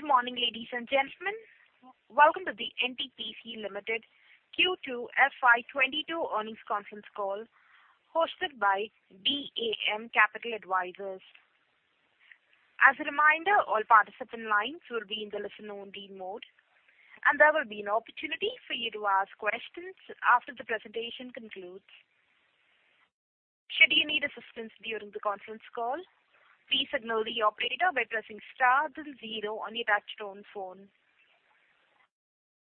Good morning, ladies and gentlemen. Welcome to the NTPC Limited Q2 FY 2022 earnings conference call hosted by DAM Capital Advisors. As a reminder, all participant lines will be in the listen only mode, and there will be an opportunity for you to ask questions after the presentation concludes. Should you need assistance during the conference call, please signal the operator by pressing star then zero on your touchtone phone.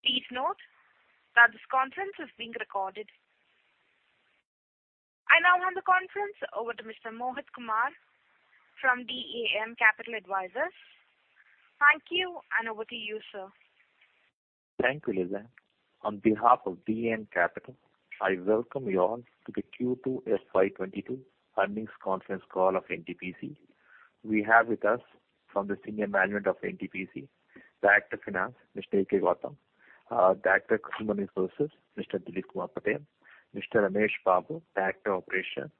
Please note that this conference is being recorded. I now hand the conference over to Mr. Mohit Kumar from DAM Capital Advisors. Thank you, and over to you, sir. Thank you, Lisa. On behalf of DAM Capital, I welcome you all to the Q2 FY 2022 earnings conference call of NTPC. We have with us from the senior management of NTPC, the Director (Finance), Mr. A.K. Gautam, the Director (Human Resources), Mr. Dilip Kumar Patel, Mr. Ramesh Babu, the Director (Operations),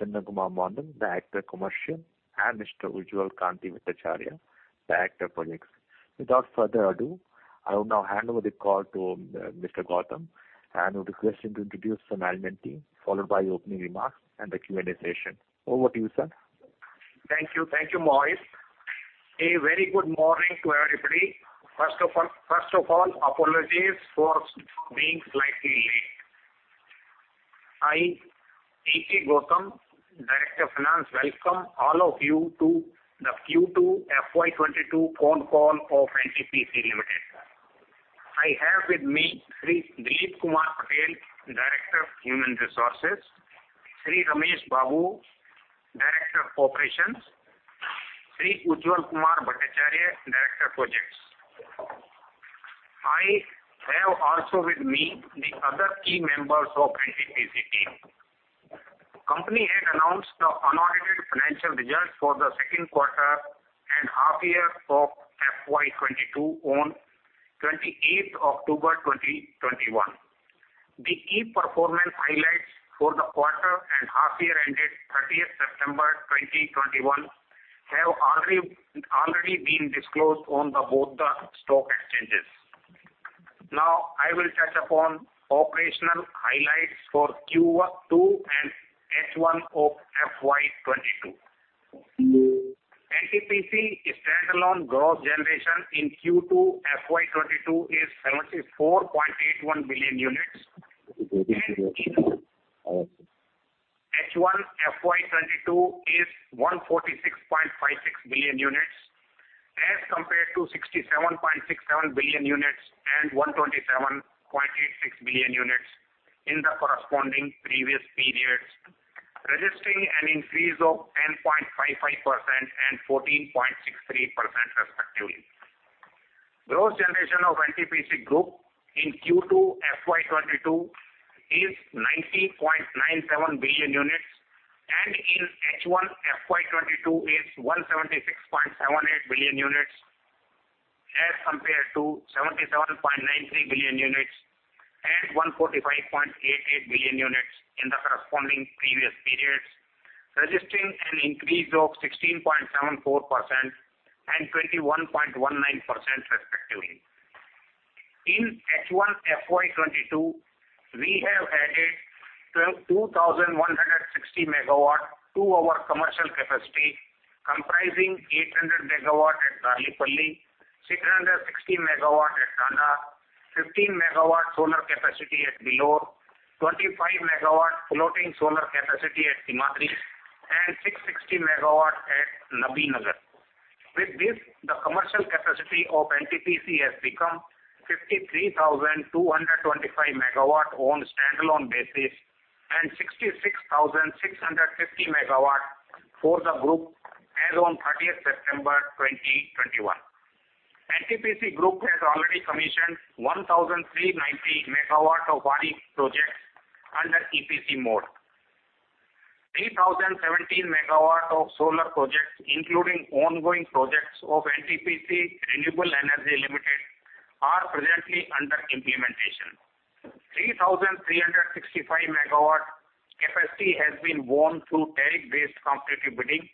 Chandan Kumar Mondol, the Director (Commercial), and Mr. Ujjwal Kanti Bhattacharya, the Director (Projects). Without further ado, I will now hand over the call to Mr. Gautam and would request him to introduce the management team followed by opening remarks and the Q&A session. Over to you, sir. Thank you. Thank you, Mohit. A very good morning to everybody. First of all, apologies for being slightly late. I, A.K. Gautam, Director (Finance), welcome all of you to the Q2 FY 2022 phone call of NTPC Limited. I have with me Sri Dilip Kumar Patel, Director (Human Resources), Sri Ramesh Babu, Director (Operations), Sri Ujjwal Kumar Bhattacharya, Director (Projects). I have also with me the other key members of NTPC team. Company had announced the unaudited financial results for the second quarter and half year of FY 2022 on 28th October 2021. The key performance highlights for the quarter and half year ended 30th September 2021 have already been disclosed on both the stock exchanges. Now, I will touch upon operational highlights for Q2 and H1 of FY 2022. NTPC standalone gross generation in Q2 FY 2022 is 74.81 billion units. H1 FY 2022 is 146.56 billion units as compared to 67.67 billion units and 127.86 billion units in the corresponding previous periods, registering an increase of 10.55% and 14.63% respectively. Gross generation of NTPC group in Q2 FY 2022 is 90.97 billion units, and in H1 FY 2022 is 176.78 billion units as compared to 77.93 billion units and 145.88 billion units in the corresponding previous periods, registering an increase of 16.74% and 21.19% respectively. In H1 FY 2022, we have added 2,160 MW to our commercial capacity, comprising 800 MW at Darlipali, 660 MW at Tanda, 15 MW solar capacity at Bilhaur, 25 MW floating solar capacity at Simhadri, and 660 MW at Nabinagar. With this, the commercial capacity of NTPC has become 53,225 MW on standalone basis and 66,650 MW for the group as on 30th September 2021. NTPC group has already commissioned 1,390 MW of RE projects under EPC mode. 3,017 MW of solar projects, including ongoing projects of NTPC Renewable Energy Limited, are presently under implementation. 3,365 MW capacity has been won through tariff-based competitive bidding,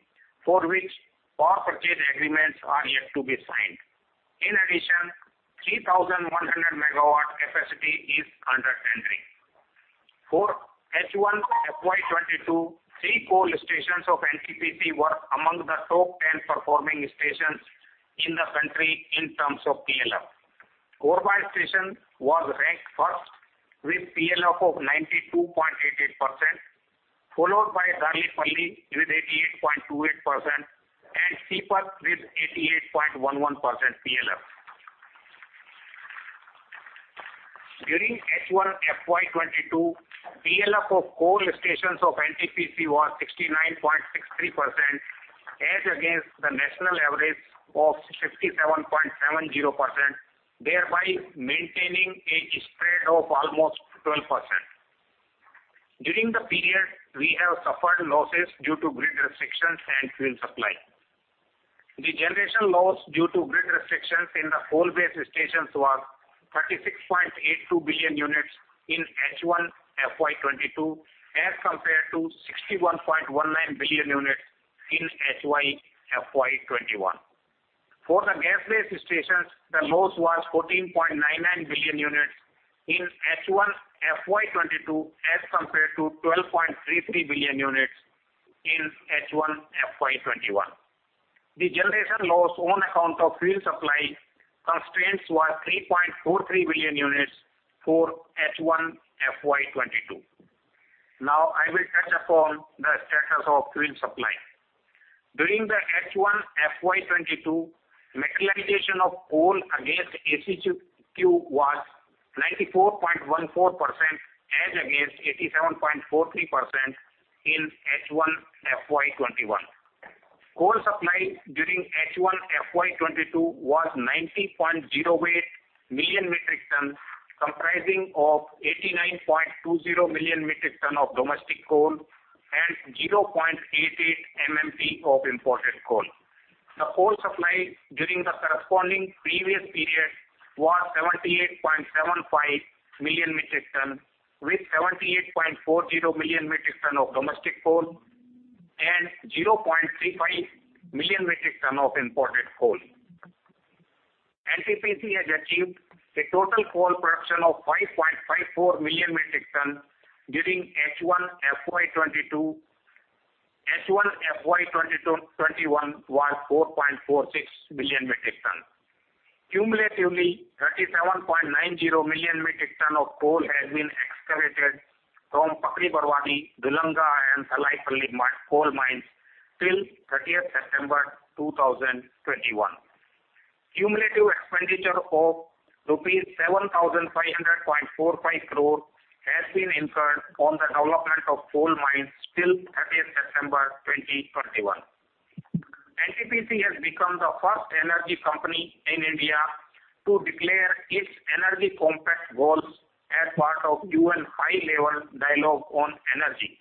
for which power purchase agreements are yet to be signed. In addition, 3,100 MW capacity is under tendering. For H1 FY 2022, three coal stations of NTPC were among the top 10 performing stations in the country in terms of PLF. Korba station was ranked first with PLF of 92.88%, followed by Darlipali with 88.28% and Sipat with 88.11% PLF. During H1 FY 2022, PLF of coal stations of NTPC was 69.63% as against the national average of 67.70%, thereby maintaining a spread of almost 12%. During the period, we have suffered losses due to grid restrictions and fuel supply. The generation loss due to grid restrictions in the coal-based stations was 36.82 billion units in H1 FY 2022 as compared to 61.19 billion units in H1 FY 2021. For the gas-based stations, the loss was 14.99 billion units in H1 FY 2022 as compared to 12.33 billion units in H1 FY 2021. The generation loss on account of fuel supply constraints was 3.43 billion units for H1 FY 2022. Now I will touch upon the status of fuel supply. During the H1 FY 2022, mechanization of coal against ACQ was 94.14% as against 87.43% in H1 FY 2021. Coal supply during H1 FY 2022 was 90.08 million metric tons, comprising of 89.20 million metric tons of domestic coal and 0.88 MMT of imported coal. The coal supply during the corresponding previous period was 78.75 million metric ton, with 78.40 million metric ton of domestic coal and 0.35 million metric ton of imported coal. NTPC has achieved a total coal production of 5.54 million metric ton during H1 FY 2022. H1 FY 2022-21 was 4.46 million metric ton. Cumulatively, 37.90 million metric ton of coal has been excavated from Pakri-Barwadi, Dulanga and Salai-Salli coal mines till thirtieth December 2021. Cumulative expenditure of rupees 7,500.45 crore has been incurred on the development of coal mines till thirtieth December 2021. NTPC has become the first energy company in India to declare its Energy Compact goals as part of UN High-level Dialogue on Energy.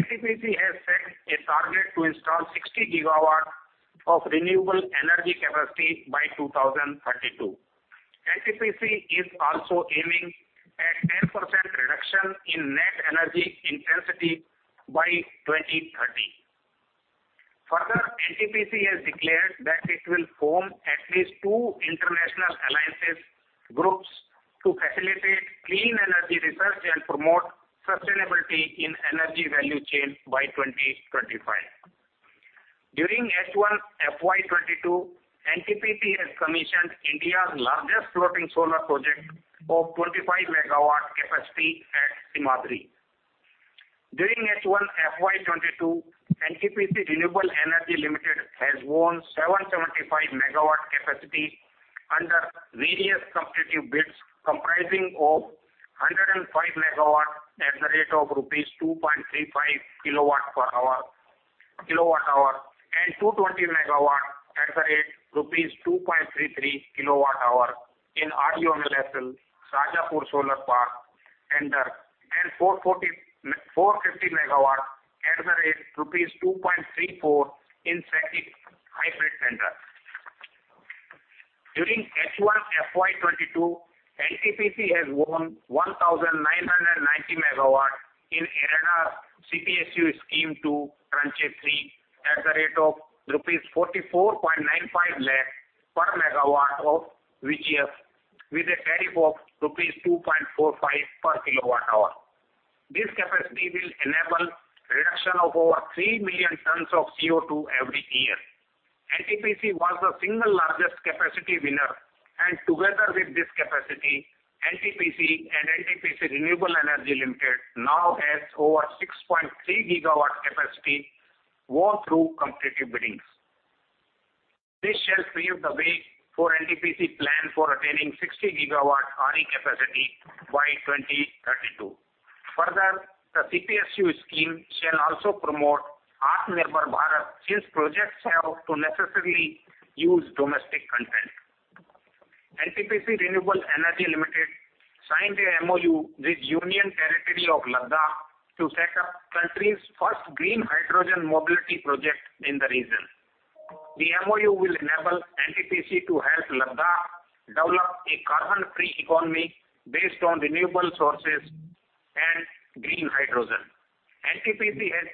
NTPC has set a target to install 60 GW of renewable energy capacity by 2032. NTPC is also aiming at 10% reduction in net energy intensity by 2030. Further, NTPC has declared that it will form at least two international alliances groups to facilitate clean energy research and promote sustainability in energy value chain by 2025. During H1 FY 2022, NTPC has commissioned India's largest floating solar project of 25 MW capacity at Simhadri. During H1 FY 2022, NTPC Green Energy Limited has won 775 MW capacity under various competitive bids comprising of 105 MW at the rate of rupees 2.35/kWh and 220 MW at the rate rupees 2.33/kWh in Adani Rasal, Shajapur Solar Park tender, and 450 MW at the rate rupees 2.34 in SECI hybrid tender. During H1 FY 2022, NTPC has won 1,990 MW in IREDA CPSU scheme, Tranche III at the rate of rupees 44.95 lakh per MW of VGF with a tariff of rupees 2.45/kWh. This capacity will enable reduction of over three million tons of CO2 every year. NTPC was the single largest capacity winner, and together with this capacity, NTPC and NTPC Renewable Energy Limited now has over 6.3 gigawatt capacity won through competitive biddings. This shall pave the way for NTPC plan for attaining 60 gigawatt RE capacity by 2032. Further, the CPSU scheme shall also promote Atmanirbhar Bharat since projects have to necessarily use domestic content. NTPC Renewable Energy Limited signed a MoU with Union Territory of Ladakh to set up country's first green hydrogen mobility project in the region. The MoU will enable NTPC to help Ladakh develop a carbon-free economy based on renewable sources and green hydrogen. NTPC has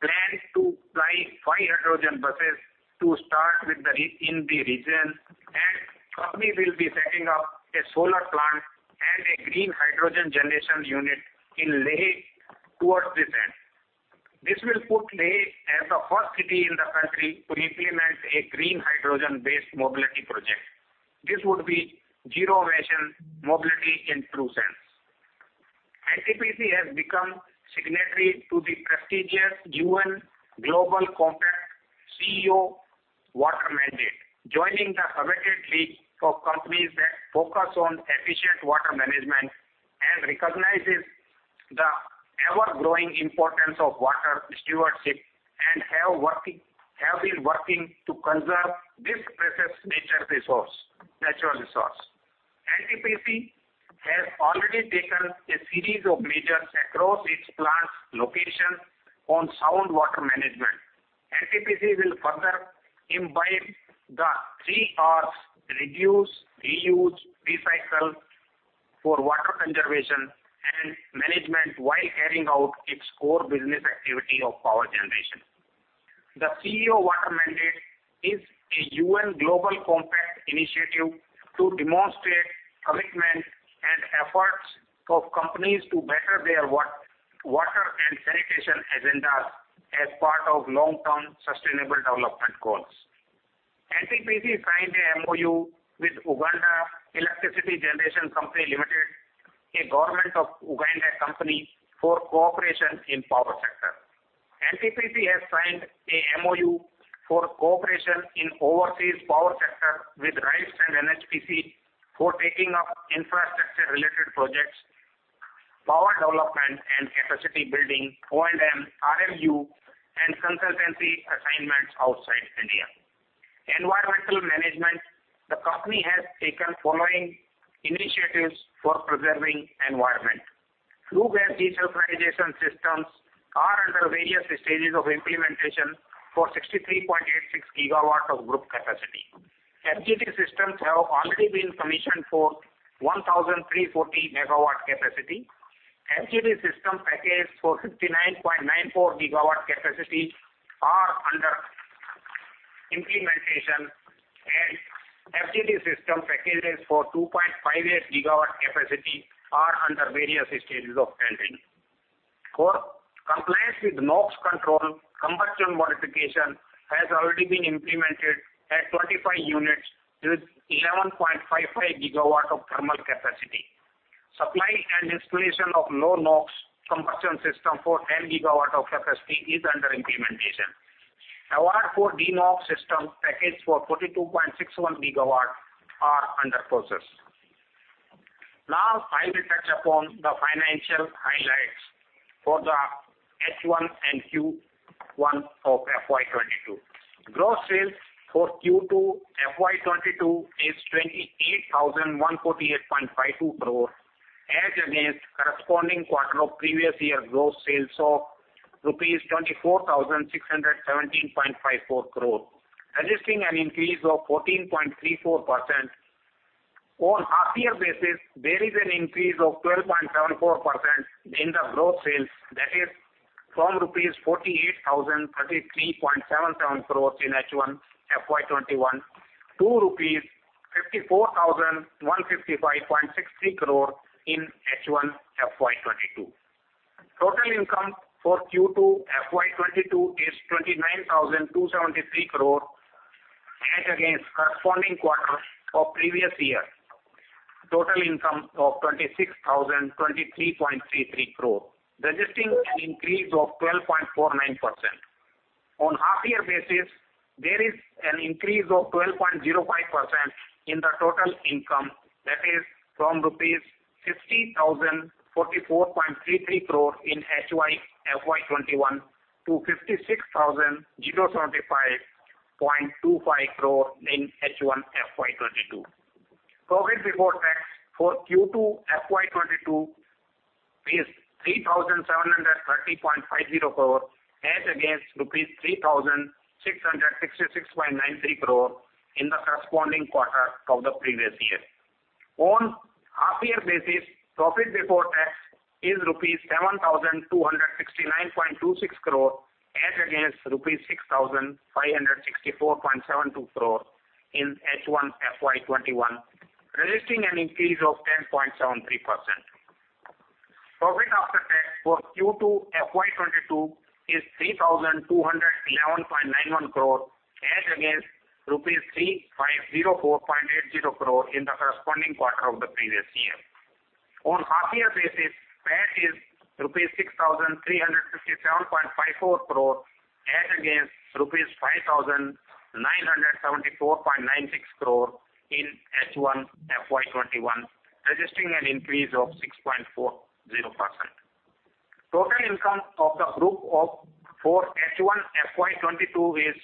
planned to ply five hydrogen buses to start with in the region, and company will be setting up a solar plant and a green hydrogen generation unit in Leh towards this end. This will put Leh as the first city in the country to implement a green hydrogen-based mobility project. This would be zero emission mobility in true sense. NTPC has become signatory to the prestigious UN Global Compact CEO Water Mandate, joining the committed league of companies that focus on efficient water management and recognizes the ever-growing importance of water stewardship and have been working to conserve this precious natural resource. NTPC has already taken a series of measures across its plants location on sound water management. NTPC will further imbibe the three Rs reduce, reuse, recycle for water conservation and management while carrying out its core business activity of power generation. The CEO Water Mandate is a UN Global Compact initiative to demonstrate commitment and efforts of companies to better their water and sanitation agendas as part of long-term sustainable development goals. NTPC signed a MoU with Uganda Electricity Generation Company Limited, a government of Uganda company, for cooperation in power sector. NTPC has signed a MoU for cooperation in overseas power sector with RITES and NHPC for taking up infrastructure related projects, power development and capacity building, O&M, RFU and consultancy assignments outside India. Environmental management. The company has taken following initiatives for preserving environment. Flue gas desulfurization systems are under various stages of implementation for 63.86 GW of group capacity. FGD systems have already been commissioned for 1,340 MW capacity. FGD system package for 59.94 GW capacity are under implementation and FGD system packages for 2.58 GW capacity are under various stages of tender. For compliance with NOx control, combustion modification has already been implemented at 25 units with 11.55 GW of thermal capacity. Supply and installation of low NOx combustion system for 10 GW of capacity is under implementation. Award for DeNOx system package for 42.61 GW are under process. Now, I will touch upon the financial highlights for the H1 and Q1 of FY 2022. Gross sales for Q2, FY 2022 is 28,148.52 crore, as against corresponding quarter of previous year gross sales of rupees 24,617.54 crore, registering an increase of 14.34%. On half year basis, there is an increase of 12.74% in the gross sales, that is from rupees 48,033.77 crore in H1, FY 2021 to rupees 54,155.63 crore in H1, FY 2022. Total income for Q2 FY 2022 is 29,273 crore as against corresponding quarter of previous year total income of 26,023.33 crore, registering an increase of 12.49%. On half year basis, there is an increase of 12.05% in the total income, that is from rupees 50,044.33 crore in H1 FY 2021 to 56,075.25 crore in H1 FY 2022. Profit before tax for Q2 FY 2022 is 3,730.50 crore as against rupees 3,666.93 crore in the corresponding quarter of the previous year. On half year basis, profit before tax is rupees 7,269.26 crore as against rupees 6,564.72 crore in H1 FY 2021, registering an increase of 10.73%. Profit after tax for Q2 FY 2022 is 3,211.91 crore as against rupees 3,504.80 crore in the corresponding quarter of the previous year. On half year basis, PAT is rupees 6,357.54 crore as against rupees 5,974.96 crore in H1 FY 2021, registering an increase of 6.40%. Total income of the group for H1, FY 2022 is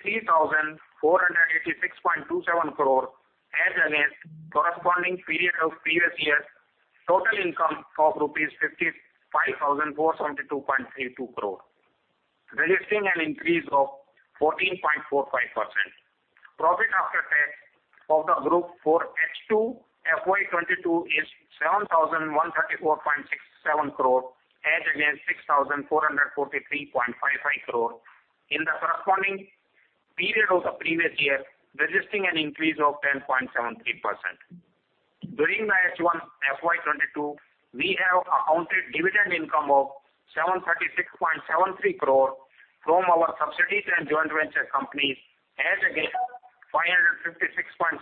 63,486.27 crore as against corresponding period of previous year total income of rupees 55,472.32 crore, registering an increase of 14.45%. Profit after tax of the group for H2, FY 2022 is 7,134.67 crore as against 6,443.55 crore in the corresponding period of the previous year, registering an increase of 10.73%. During the H1, FY 2022, we have accounted dividend income of 736.73 crore from our subsidiaries and joint venture companies as against 556.73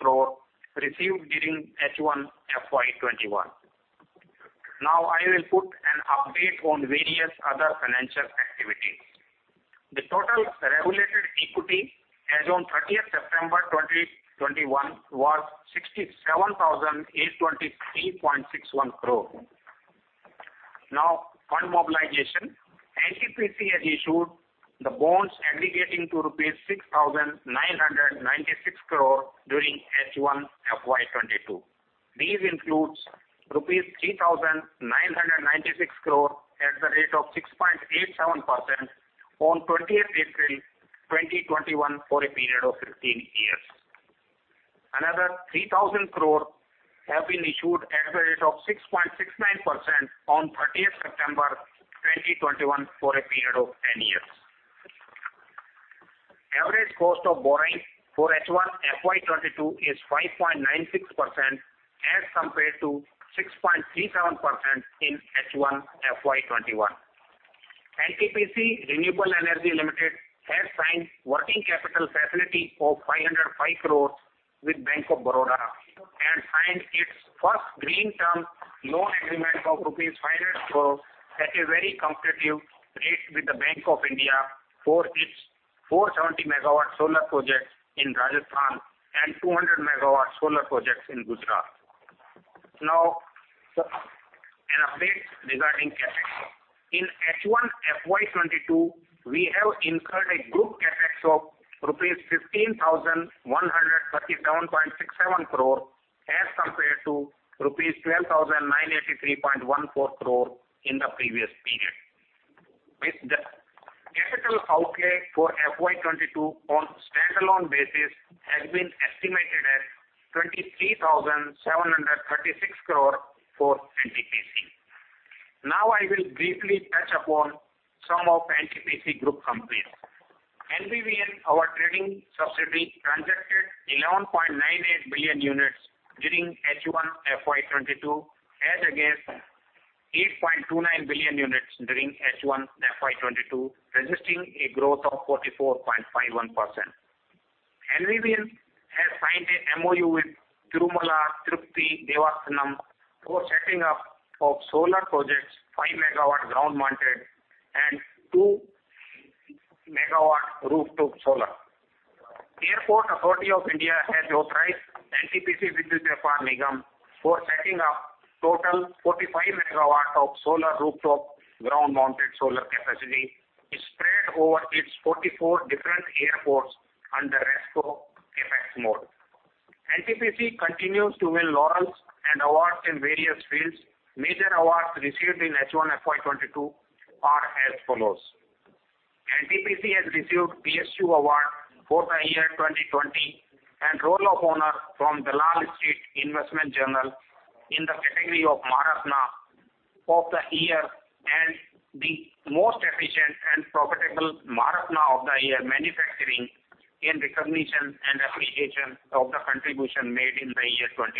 crore received during H1, FY 2021. Now, I will give an update on various other financial activities. The total regulated equity as on September 30, 2021 was 67,823.61 crore. Now, fund mobilization. NTPC has issued the bonds aggregating to rupees 6,996 crore during H1 FY 2022. These include rupees 3,996 crore at the rate of 6.87% on April 20, 2021 for a period of 15 years. Another 3,000 crore have been issued at the rate of 6.69% on September 30, 2021 for a period of 10 years. Average cost of borrowing for H1 FY 2022 is 5.96% as compared to 6.37% in H1 FY 2021. NTPC Renewable Energy Limited has signed working capital facility for 505 crore with Bank of Baroda and signed its first green term loan agreement for rupees 500 crore at a very competitive rate with the Bank of India for its 470 MW solar projects in Rajasthan and 200 MW solar projects in Gujarat. Now, an update regarding CapEx. In H1 FY 2022, we have incurred a group CapEx of rupees 15,137.67 crore as compared to rupees 12,983.14 crore in the previous period. The capital outlay for FY 2022 on standalone basis has been estimated at 23,736 crore for NTPC. Now I will briefly touch upon some of NTPC group companies. NVVN, our trading subsidiary, transacted 11.98 billion units during H1 FY 2022 as against 8.29 billion units during H1 FY 2022, registering a growth of 44.51%. NVVN has signed a MoU with Tirumala Tirupati Devasthanams for setting up of solar projects, 5 MW ground-mounted and 2 MW rooftop solar. Airports Authority of India has authorized NTPC Vidyut Vyapar Nigam for setting up total 45 MW of solar rooftop ground-mounted solar capacity spread over its 44 different airports under RESCO CapEx mode. NTPC continues to win laurels and awards in various fields. Major awards received in H1 FY 2022 are as follows. NTPC has received PSU award for the year 2020 and Roll of Honor from Dalal Street Investment Journal in the category of Maharatna of the Year and the Most Efficient and Profitable Maharatna of the Year Manufacturing in recognition and appreciation of the contribution made in the year 2020.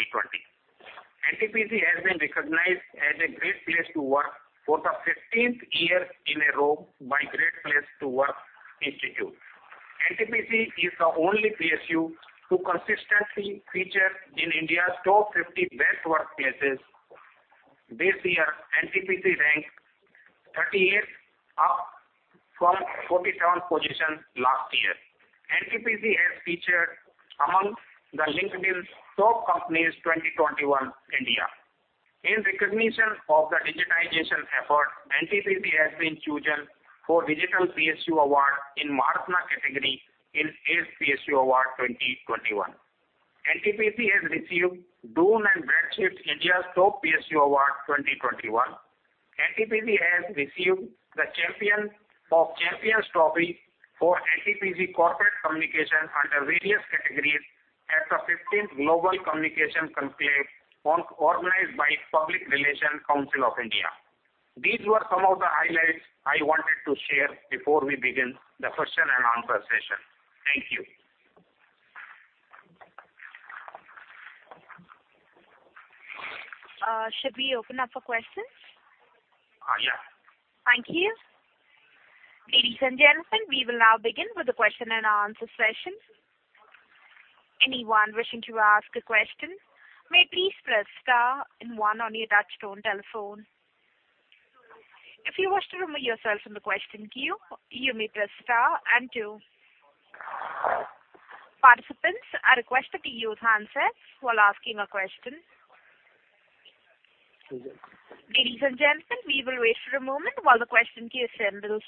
NTPC has been recognized as a Great Place to Work for the 15th year in a row by Great Place to Work Institute. NTPC is the only PSU to consistently feature in India's top 50 best workplaces. This year, NTPC ranked 38th, up from 47th position last year. NTPC has featured among the LinkedIn Top Companies 2021 India. In recognition of the digitization effort, NTPC has been chosen for Digital PSU Award in Maharatna category in ACE PSU Award 2021. NTPC has received Dun & Bradstreet India's Top PSU Award 2021. NTPC has received the Champion of Champions Trophy for NTPC Corporate Communication under various categories at the fifteenth Global Communication Conclave organized by Public Relations Council of India. These were some of the highlights I wanted to share before we begin the question and answer session. Thank you. Should we open up for questions? Yeah. Thank you. Ladies and gentlemen, we will now begin with the question and answer session. Anyone wishing to ask a question may please press star and one on your touchtone telephone. If you wish to remove yourself from the question queue, you may press star and two. Participants are requested to use handsets while asking a question. Ladies and gentlemen, we will wait for a moment while the question queue assembles.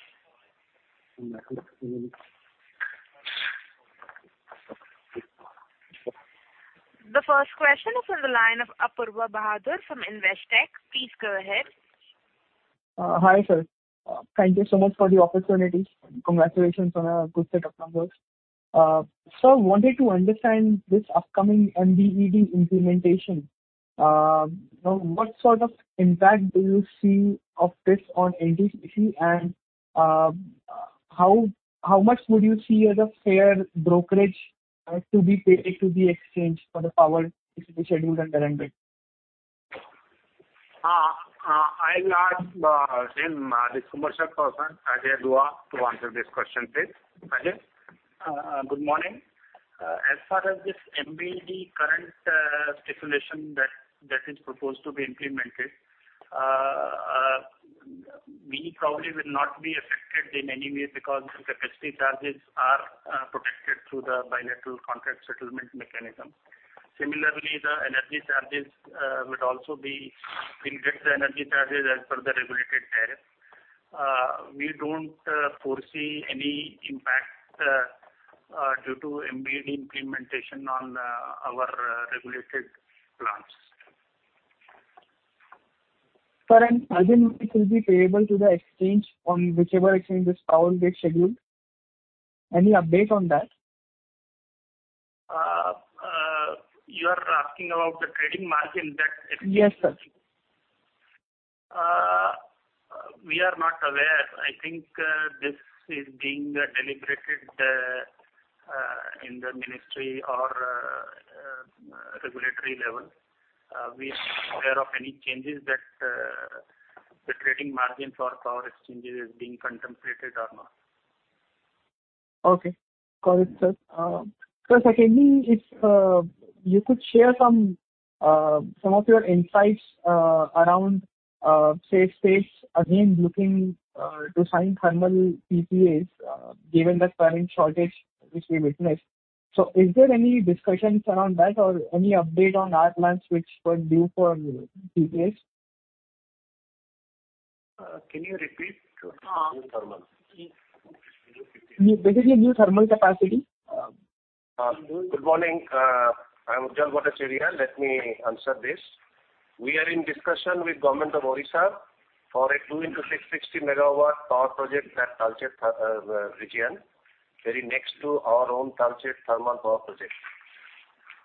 The first question is on the line of Apoorva Bahadur from Investec. Please go ahead. Hi, sir. Thank you so much for the opportunity. Congratulations on a good set of numbers. I wanted to understand this upcoming MBED implementation. What sort of impact do you see of this on NTPC? And, how much would you see as a fair brokerage to be paid to the exchange for the power to be scheduled and delivered? I'll ask him, the commercial person, Ajay Dua, to answer this question, please. Ajay. Good morning. As far as this MBED current stipulation that is proposed to be implemented, we probably will not be affected in any way because the capacity charges are protected through the bilateral contract settlement mechanism. Similarly, the energy charges would also be. We will get the energy charges as per the regulated tariff. We don't foresee any impact. Due to MBED implementation on our regulated plants. Sir, margin which will be payable to the exchange on whichever exchange this power gets scheduled. Any update on that? You are asking about the trading margin that Yes, sir. We are not aware. I think this is being deliberated in the ministry or regulatory level. We are not aware of any changes that the trading margin for power exchanges is being contemplated or not. Okay. Got it, sir. Sir, secondly, if you could share some of your insights around the space again looking to sign thermal PPAs given the current shortage which we witnessed. Is there any discussions around that or any update on our plans which were due for PPAs? Can you repeat new thermals? Basically new thermal capacity. Good morning. I am Ujjwal Bhattacharya. Let me answer this. We are in discussion with Government of Odisha for a 2 x 660 MW power project at Talcher region, very next to our own Talcher thermal power project.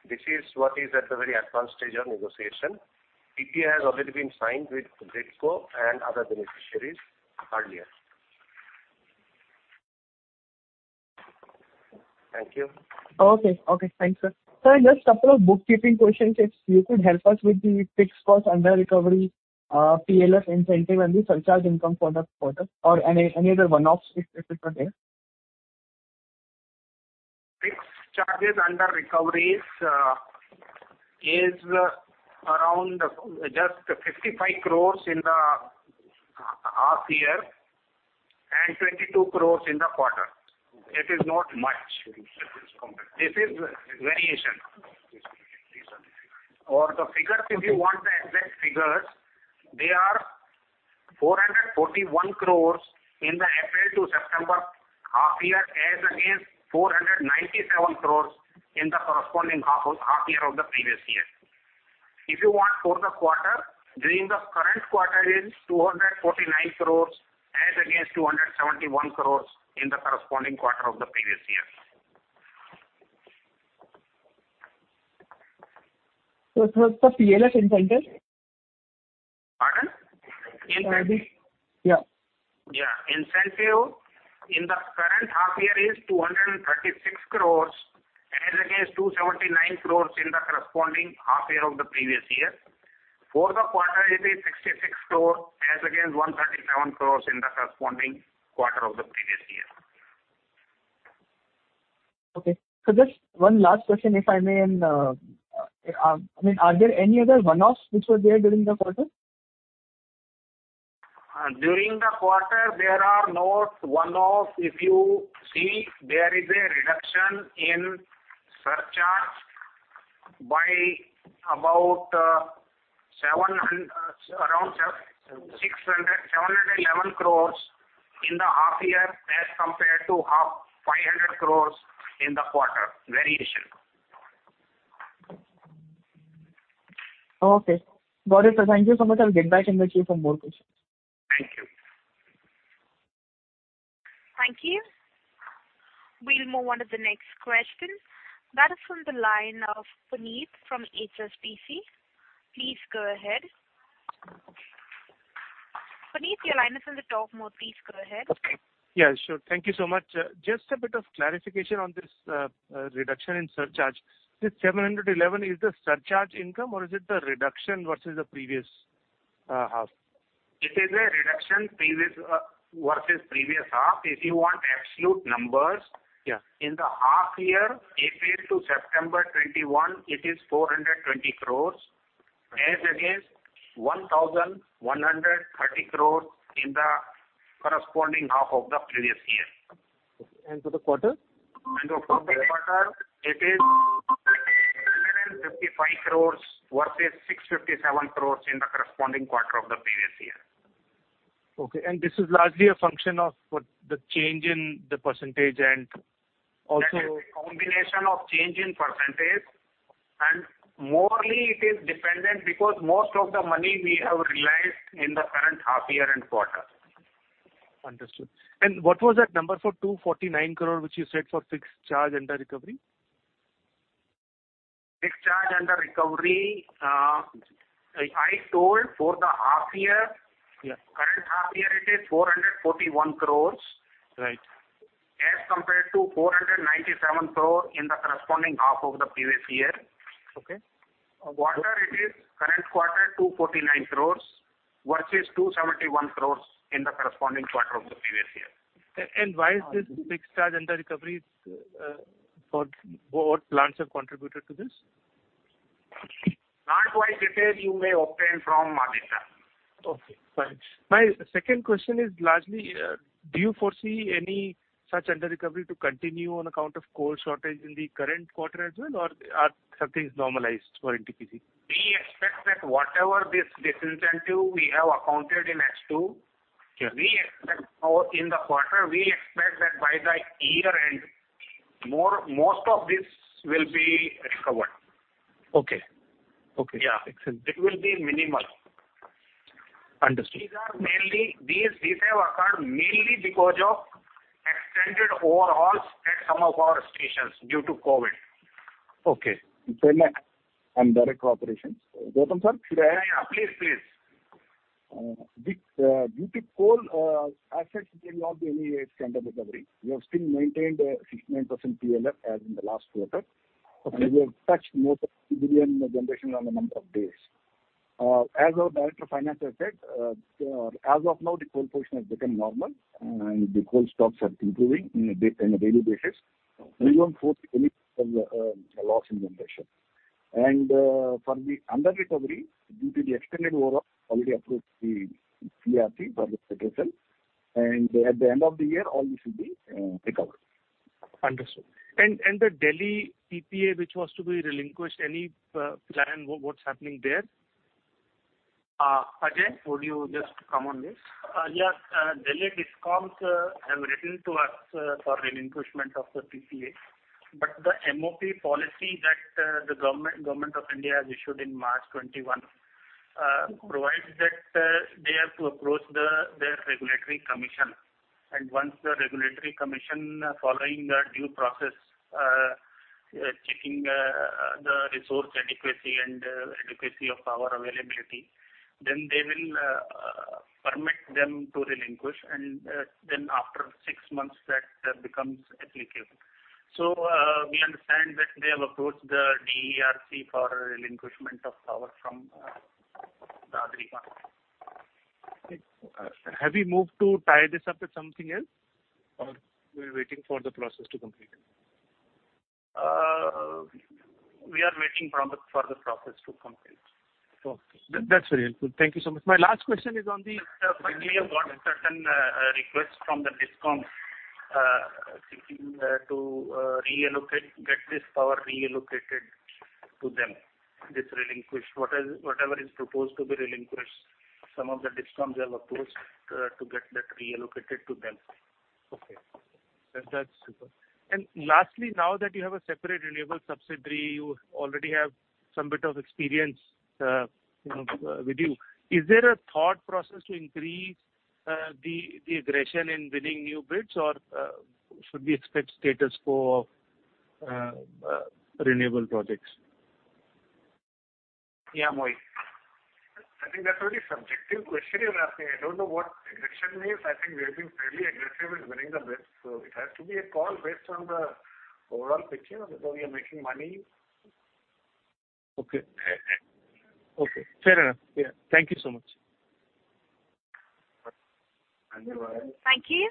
This is what is at the very advanced stage of negotiation. PPA has already been signed with GRIDCO and other beneficiaries earlier. Thank you. Okay. Thanks, sir. Sir, just a couple of bookkeeping questions, if you could help us with the fixed cost under recovery, PLF incentive and the surcharge income for the quarter or any other one-offs if it was there. Fixed charges under recoveries is around just 55 crores in the half year and 22 crores in the quarter. It is not much. This is variation. The figures, if you want the exact figures, they are 441 crores in the April to September half year, as against 497 crores in the corresponding half year of the previous year. If you want for the quarter, during the current quarter is 249 crores as against 271 crores in the corresponding quarter of the previous year. What was the PLF incentive? Pardon? PLF? Yeah. Yeah. Incentive in the current half year is 236 crores as against 279 crores in the corresponding half year of the previous year. For the quarter it is 66 crores as against 137 crores in the corresponding quarter of the previous year. Okay. Just one last question, if I may. I mean, are there any other one-offs which were there during the quarter? During the quarter there are no one-offs. If you see, there is a reduction in surcharge by about 711 crores in the half year as compared to 500 crores in the quarter. Variation. Okay. Got it, sir. Thank you so much. I'll get back in touch with you for more questions. Thank you. Thank you. We'll move on to the next question. That is from the line of Puneet from HSBC. Please go ahead. Puneet, your line is on the talk mode. Please go ahead. Okay. Yeah, sure. Thank you so much. Just a bit of clarification on this, reduction in surcharge. This 711, is the surcharge income or is it the reduction versus the previous, half? It is a reduction previous, versus previous half. If you want absolute numbers- Yeah. In the half year, April to September 2021, it is 420 crores as against 1,130 crores in the corresponding half of the previous year. Okay. For the quarter? The current quarter it is 755 crores versus 657 crores in the corresponding quarter of the previous year. Okay. This is largely a function of what the change in the percentage and also- That is a combination of change in percentage, and materially it is dependent because most of the money we have realized in the current half year and quarter. Understood. What was that number for 249 crore, which you said for fixed charge under recovery? Fixed charge under recovery, I told for the half year. Yeah. Current half year it is 441 crore. Right. As compared to 497 crore in the corresponding half of the previous year. Okay. Quarter it is, current quarter 249 crores versus 271 crores in the corresponding quarter of the previous year. Why is this fixed charge under recovery? For what plants have contributed to this? Plant-wise detail you may obtain from MCA. Okay, fine. My second question is largely, do you foresee any such under recovery to continue on account of coal shortage in the current quarter as well? Or are things normalized for NTPC? We expect that whatever this disincentive we have accounted in H2 or in the quarter, we expect that by the year end, most of this will be recovered. Okay. Okay. Yeah. Excellent. It will be minimal. Understood. These have occurred mainly because of extended overhauls at some of our stations due to COVID. Okay. Next, Director of Operations. Gautam sir? Yeah. Please. Due to coal assets, there will not be any standard recovery. We have still maintained a 69% PLF as in the last quarter. Okay. We have touched more than one billion generation on the number of days. As our Director of Finance has said, as of now, the coal portion has become normal and the coal stocks are improving in a daily basis. We won't face any loss in generation. For the under-recovery due to the extended overall, we have already approached the CERC for the situation. At the end of the year, all this will be recovered. Understood. The Delhi PPA which was to be relinquished, any plan, what's happening there? Ajay, would you just come on this? Yes. Delhi DISCOMs have written to us for relinquishment of the PPA. The MOP policy that the government of India issued in March 2021 provides that they have to approach their regulatory commission. Once the regulatory commission, following the due process, checking the resource adequacy and adequacy of power availability, then they will permit them to relinquish. Then after six months that becomes applicable. We understand that they have approached the DERC for relinquishment of power from Dadri plant. Have you moved to tie this up with something else? We're waiting for the process to complete? We are waiting for the process to complete. Okay. That's very helpful. Thank you so much. My last question is on the- Sir, finally, I've got a certain request from the DISCOMs seeking to reallocate, get this power reallocated to them, this relinquished. What else, whatever is proposed to be relinquished, some of the DISCOMs have approached to get that reallocated to them. Okay. That's super. Lastly, now that you have a separate renewable subsidiary, you already have some bit of experience, you know, with you. Is there a thought process to increase the aggression in winning new bids or should we expect status quo of renewable projects? Yeah, Mohit. I think that's a very subjective question, Rahul. I don't know what aggression means. I think we have been fairly aggressive in winning the bids. It has to be a call based on the overall picture. We are making money. Okay. Fair enough. Yeah. Thank you so much. Thank you. Thank you.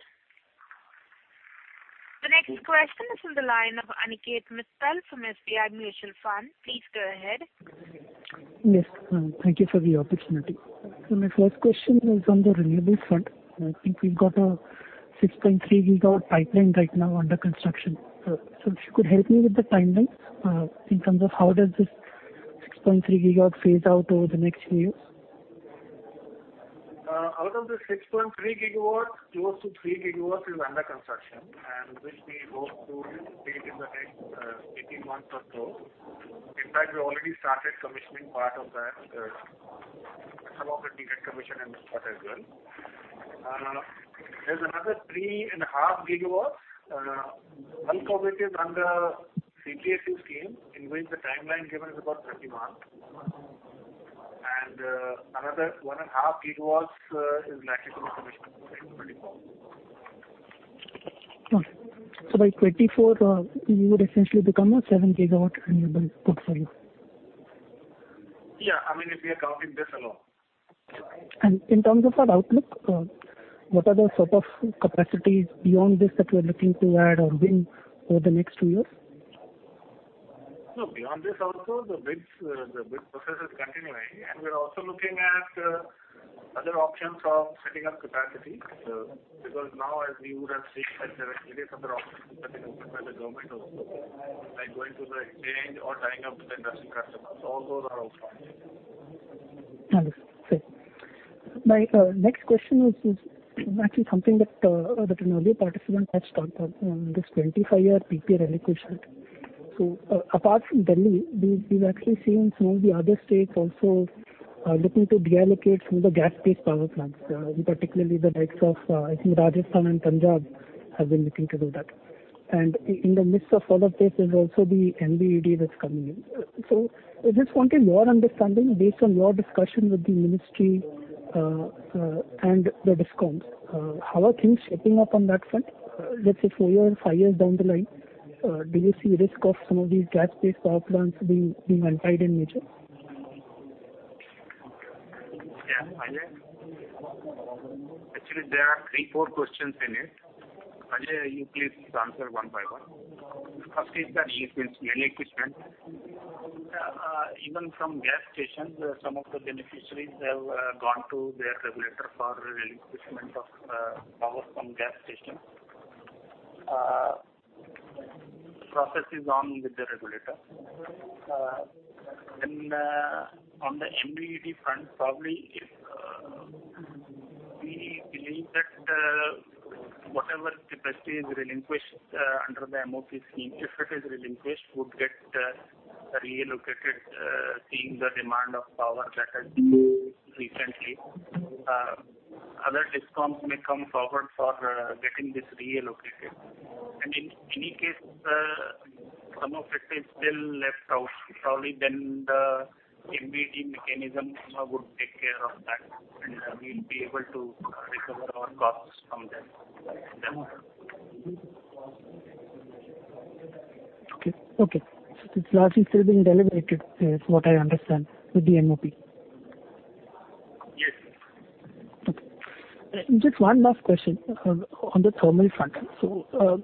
The next question is from the line of Aniket Mittal from SBI Mutual Fund. Please go ahead. Yes. Thank you for the opportunity. My first question is on the renewables front. I think we've got a 6.3 GW pipeline right now under construction. If you could help me with the timeline, in terms of how does this 6.3 GW phase out over the next few years? Out of the 6.3 GW, close to 3 GW is under construction, and which we hope to complete in the next 18 months or so. In fact, we already started commissioning part of that. Some of it we get commission in this quarter as well. There's another 3.5 GW transformative under CPSU scheme, in which the timeline given is about 30 months. Another 1.5 GW is likely to be commissioned by 2024. Okay. By 2024, you would essentially become a 7 GW renewable portfolio? Yeah. I mean, if we are counting this alone. In terms of that outlook, what are the sort of capacities beyond this that you are looking to add or win over the next two years? No, beyond this also, the bids, the bid process is continuing. We're also looking at other options of setting up capacity, because now as you would have seen that there are various other options that have been opened by the government also, like going to the exchange or tying up with industrial customers. All those are also options. Understood. My next question is actually something that an earlier participant had talked on this 25-year PPA relinquishment. Apart from Delhi, we've actually seen some of the other states also looking to deallocate some of the gas-based power plants, in particular the likes of, I think Rajasthan and Punjab have been looking to do that. In the midst of all of this, there's also the MBED that's coming in. I just wanted your understanding based on your discussion with the ministry and the DISCOMs. How are things shaping up on that front? Let's say four years, five years down the line, do you see risk of some of these gas-based power plants being untied in nature? Yeah. Ajay? Actually, there are three, four questions in it. Ajay, you please answer one by one. First is the relinquishment. Even from gas stations, some of the beneficiaries have gone to their regulator for relinquishment of power from gas stations. The process is on with the regulator. On the MBED front, probably, if we believe that whatever capacity is relinquished under the MoP scheme, if it is relinquished, would get relocated seeing the demand of power that has increased recently. Other DISCOMs may come forward for getting this reallocated. In any case, some of it is still left out. Probably then the MBED mechanism would take care of that, and we'll be able to recover our costs from them. Okay. It's largely still being deliberated, is what I understand, with the MOP. Yes. Okay. Just one last question on the thermal front.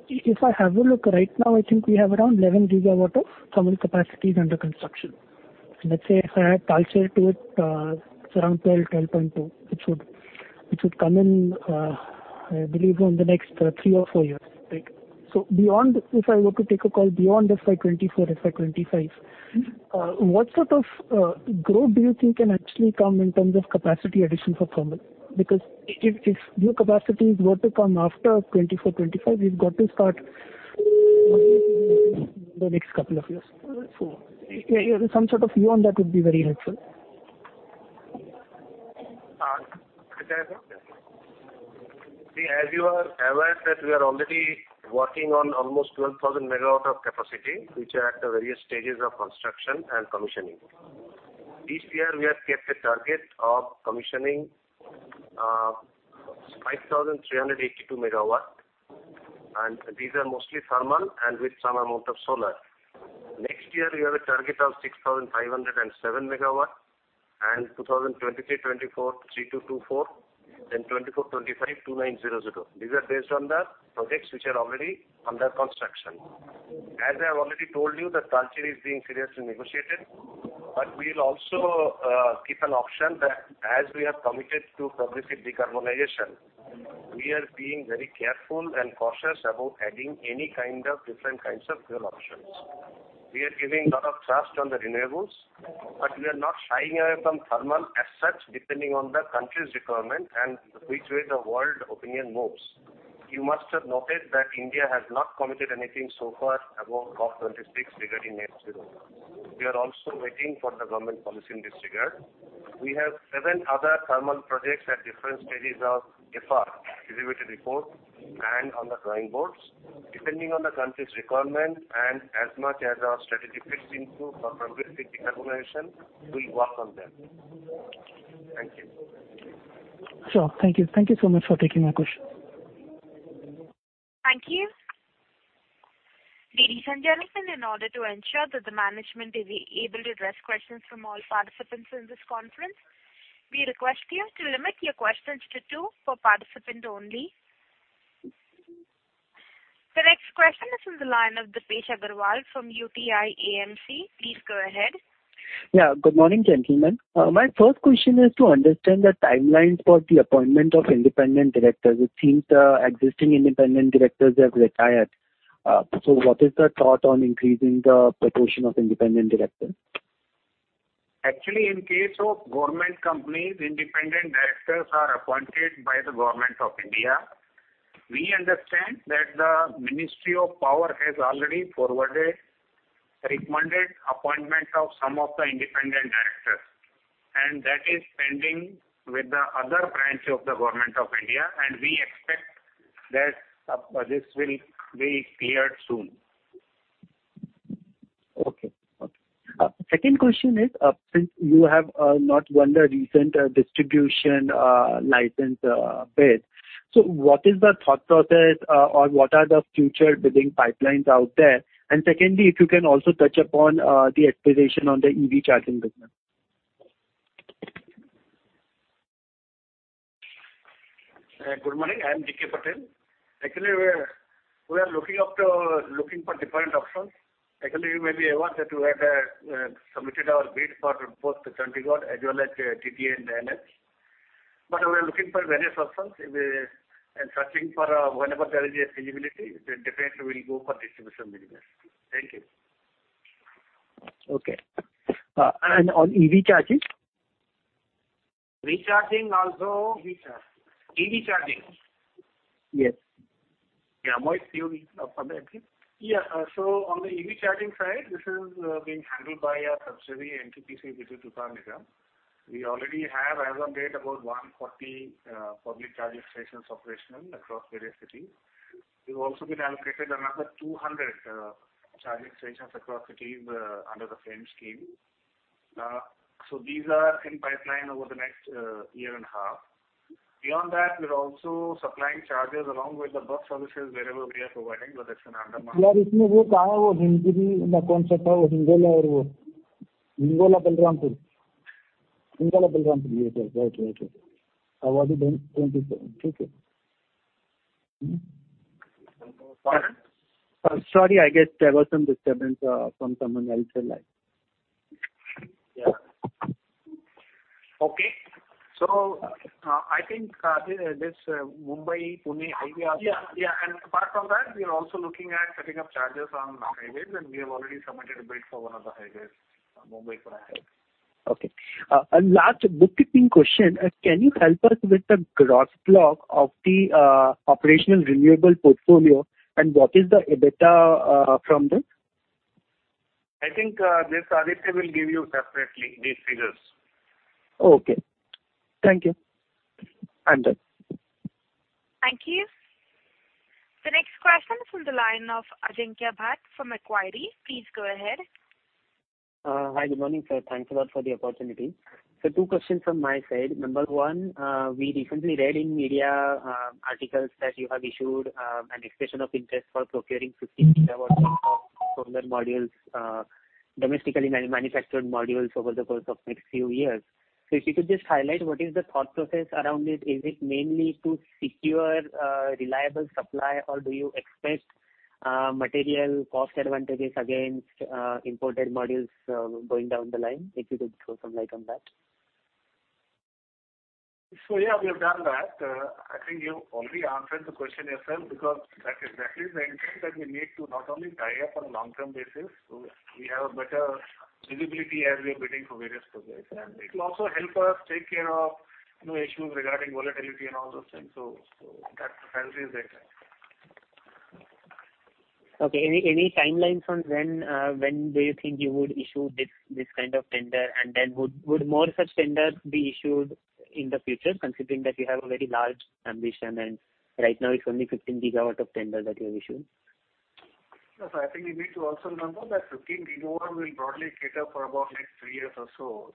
If I have a look right now, I think we have around 11 GW of thermal capacity under construction. Let's say if I add Talcher to it's around 12, 10.2, which would come in, I believe in the next three or four years, right? Beyond. If I were to take a call beyond FY 2024, FY 2025. Mm-hmm. What sort of growth do you think can actually come in terms of capacity addition for thermal? Because if new capacities were to come after 2024, 2025, we've got to start in the next couple of years. Some sort of view on that would be very helpful. As you are aware that we are already working on almost 12,000 MW of capacity, which are at the various stages of construction and commissioning. This year, we have kept a target of commissioning 5,382 MW, and these are mostly thermal and with some amount of solar. Next year, we have a target of 6,507 MW. 2023-24, 3,224. 2024-25, 2,900. These are based on the projects which are already under construction. As I have already told you, the Talcher is being seriously negotiated, but we'll also keep an option that as we have committed to progressive decarbonization, we are being very careful and cautious about adding any kind of different kinds of fuel options. We are giving a lot of thrust on the renewables, but we are not shying away from thermal as such, depending on the country's requirement and which way the world opinion moves. You must have noted that India has not committed anything so far about COP26 regarding net zero. We are also waiting for the government policy in this regard. We have seven other thermal projects at different stages of FR, feasibility report, and on the drawing boards. Depending on the country's requirement and as much as our strategy fits into for progressive decarbonization, we work on them. Thank you. Sure. Thank you. Thank you so much for taking my question. Thank you. Ladies and gentlemen, in order to ensure that the management is able to address questions from all participants in this conference, we request you to limit your questions to two per participant only. The next question is from the line of Deepesh Agarwal from UTI AMC. Please go ahead. Yeah, good morning, gentlemen. My first question is to understand the timelines for the appointment of independent directors. It seems existing independent directors have retired. What is the thought on increasing the proportion of independent directors? Actually, in case of government companies, independent directors are appointed by the Government of India. We understand that the Ministry of Power has already forwarded recommended appointment of some of the independent directors, and that is pending with the other branch of the Government of India, and we expect that this will be cleared soon. Okay. Second question is, since you have not won the recent distribution license bid, so what is the thought process or what are the future bidding pipelines out there? Secondly, if you can also touch upon the aspiration on the EV charging business. Good morning. I am DK Patel. Actually, we are looking for different options. Actually, you may be aware that we had submitted our bid for both the Chandrapur as well as TPDDL and NDMC. We are looking for various options and searching for, whenever there is a feasibility, then definitely we'll go for distribution business. Thank you. Okay. On EV charging? EV charging. Yes. Mohit Bhargava from NTPC. On the EV charging side, this is being handled by our subsidiary, NTPC Vidyut Vyapar Nigam. We already have as on date about 140 public charging stations operational across various cities. We've also been allocated another 200 charging stations across cities under the same scheme. These are in pipeline over the next year and a half. Beyond that, we're also supplying chargers along with the bus services wherever we are providing, but that's an under mark- Right. How was it then? 27. Mm-hmm. Pardon? Sorry, I guess there was some disturbance from someone else's line. Okay. I think this Mumbai Pune highway. Yeah, yeah. Apart from that, we are also looking at setting up chargers on non-highways, and we have already submitted a bid for one of the highways, Mumbai Pune highway. Okay. Last bookkeeping question. Can you help us with the gross block of the operational renewable portfolio and what is the EBITDA from this? I think this Aditya will give you separately these figures. Okay. Thank you. I'm done. Thank you. The next question is from the line of Ajinkya Bhat from Equity Research. Please go ahead. Hi. Good morning, sir. Thanks a lot for the opportunity. Two questions from my side. Number one, we recently read in media articles that you have issued an expression of interest for procuring 15 gigawatts of solar modules, domestically manufactured modules over the course of next few years. If you could just highlight what is the thought process around it. Is it mainly to secure reliable supply, or do you expect material cost advantages against imported modules going down the line? If you could throw some light on that. Yeah, we have done that. I think you've already answered the question yourself because that's exactly the intent that we need to not only tie up on a long-term basis, so we have a better visibility as we are bidding for various projects. It will also help us take care of, you know, issues regarding volatility and all those things. That's exactly the intent. Okay. Any timelines on when do you think you would issue this kind of tender? Would more such tenders be issued in the future considering that you have a very large ambition and right now it's only 15 GW of tender that you have issued? No. I think you need to also remember that 15 GW will broadly cater for about next three years or so.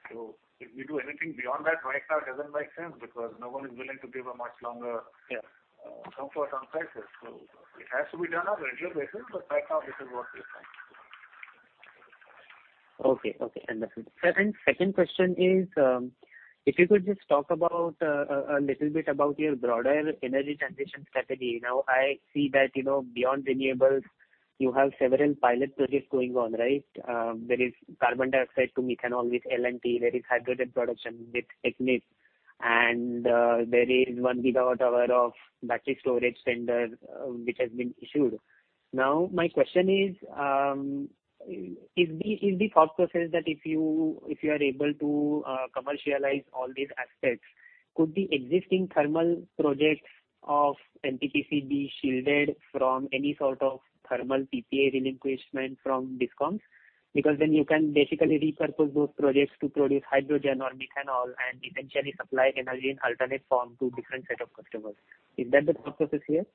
If we do anything beyond that right now, it doesn't make sense because no one is willing to give a much longer- Yeah. comfort on prices. It has to be done on a regular basis, but right now this is what we are planning to do. Okay. Understood. Second question is, if you could just talk about a little bit about your broader energy transition strategy. Now, I see that, you know, beyond renewables you have several pilot projects going on, right? There is carbon dioxide to methanol with L&T. There is hydrogen production with Technip. And there is 1 GWh of battery storage tender which has been issued. Now, my question is the thought process that if you are able to commercialize all these aspects, could the existing thermal projects of NTPC be shielded from any sort of thermal PPA relinquishment from discounts? Because then you can basically repurpose those projects to produce hydrogen or methanol and essentially supply energy in alternate form to different set of customers. Is that the thought process here?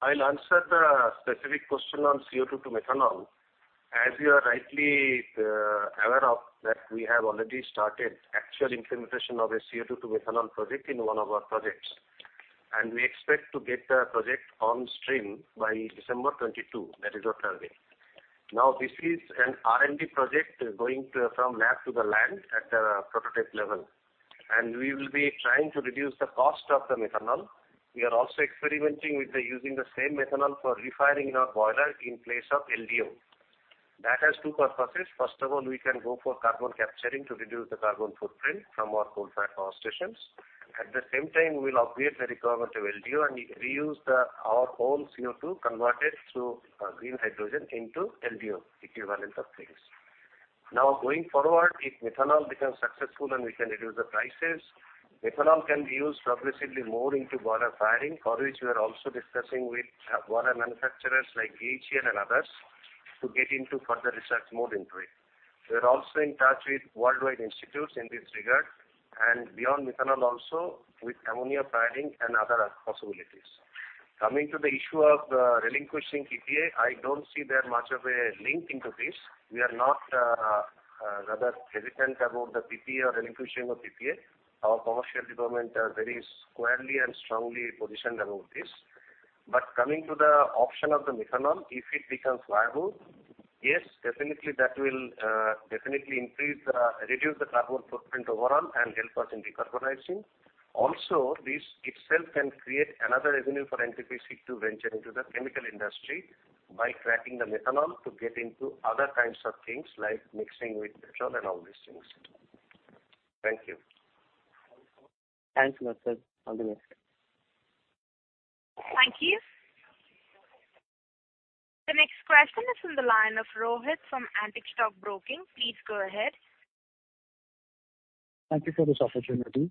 I'll answer the specific question on CO2 to methanol. As you are rightly aware of that we have already started actual implementation of a CO2 to methanol project in one of our projects, and we expect to get the project on stream by December 2022. That is our target. Now, this is an R&D project going from lab to the land at the prototype level, and we will be trying to reduce the cost of the methanol. We are also experimenting with using the same methanol for refiring in our boiler in place of LDO. That has two purposes. First of all, we can go for carbon capturing to reduce the carbon footprint from our coal-fired power stations. At the same time, we'll obviate the requirement of LDO and reuse our own CO2 converted to green hydrogen into LDO equivalent of things. Now, going forward, if methanol becomes successful and we can reduce the prices, methanol can be used progressively more into boiler firing, for which we are also discussing with boiler manufacturers like GE and others to get into further research more into it. We are also in touch with worldwide institutes in this regard, and beyond methanol also with ammonia firing and other possibilities. Coming to the issue of relinquishing PPA, I don't see there much of a link into this. We are not rather hesitant about the PPA or relinquishing of PPA. Our commercial department are very squarely and strongly positioned about this. Coming to the option of the methanol, if it becomes viable, yes, definitely that will definitely reduce the carbon footprint overall and help us in decarbonizing. Also, this itself can create another revenue for NTPC to venture into the chemical industry by cracking the methanol to get into other kinds of things like mixing with petrol and all these things. Thank you. Thanks a lot, sir. Have a nice day. Thank you. The next question is from the line of Rohit from Antique Stock Broking. Please go ahead. Thank you for this opportunity.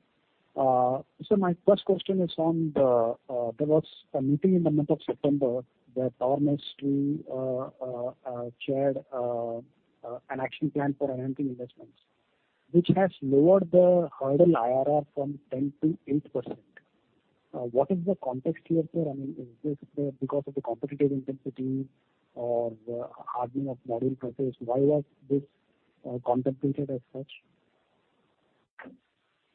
So my first question is on the there was a meeting in the month of September that Ministry of Power chaired an action plan for LNG investments, which has lowered the hurdle IRR from 10% to 8%. What is the context here, sir? I mean, is this because of the competitive intensity or the hardening of module prices? Why was this contemplated as such?